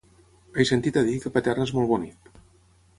He sentit a dir que Paterna és molt bonic.